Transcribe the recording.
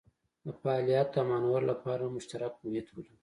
د فعالیت او مانور لپاره هم مشترک محیط ولري.